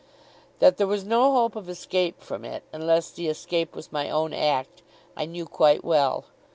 That there was no hope of escape from it, unless the escape was my own act, I knew quite well.